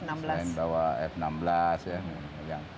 selain bawa f enam belas ya